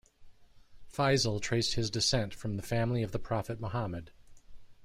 Faisal traced his descent from the family of the Prophet Muhammad.